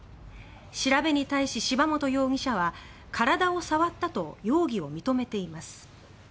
調べに対し、柴本容疑者は体を触ったと容疑を認めています。